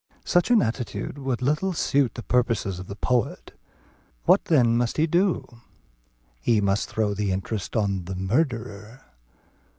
Such an attitude would little suit the purposes of the poet. What then must he do? He must throw the interest on the murderer.